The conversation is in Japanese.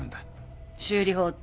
修理法って？